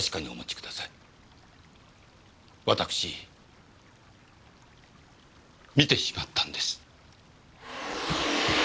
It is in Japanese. わたくし見てしまったんです。